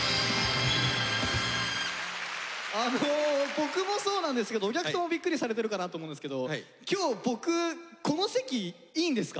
僕もそうなんですけどお客さんもびっくりされてるかなと思うんですけど今日僕この席いいんですか？